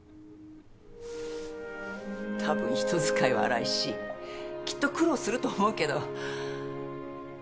多分人使いは荒いしきっと苦労すると思うけど。